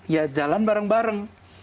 ya jalan bareng bareng